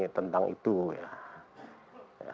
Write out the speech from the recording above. tentang itu ya